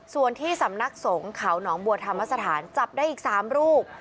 ส่วนที่สำนักสงฆ์เขาหนองบัวธรรมสถานจับได้อีก๓รูป